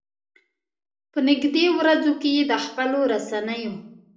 په نږدې ورځو کې یې د خپلو رسنيو.